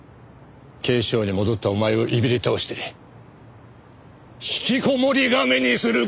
警視庁に戻ったお前をいびり倒して引きこもり亀にする事だ！